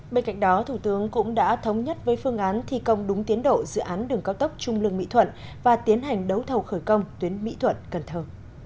bên cạnh đó thủ tướng cũng đã thống nhất với phương án thi công đúng tiến độ dự án đường cao tốc trung lương mỹ thuận và tiến hành đấu thầu khởi công tuyến mỹ thuận cần thơ